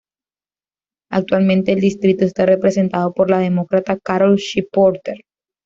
Actualmente el distrito está representado por la Demócrata Carol Shea-Porter.